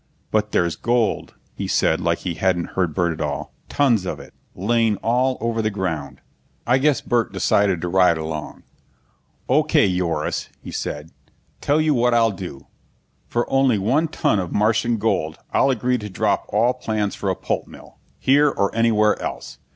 "But there's gold," he said, like he hadn't heard Burt at all. "Tons of it laying all over the ground." I guess Burt decided to ride along. "Okay, Yoris," he said. "Tell you what I'll do. For only one ton of Martian gold I'll agree to drop all plans for a pulp mill, here or anywhere else.